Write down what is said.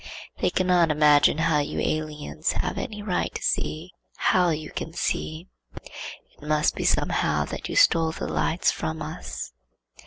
They cannot imagine how you aliens have any right to see,—how you can see; 'It must be somehow that you stole the light from us.